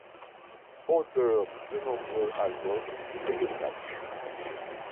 Auteur de nombreux albums de photographies.